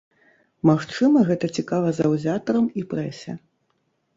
Магчыма, гэта цікава заўзятарам і прэсе.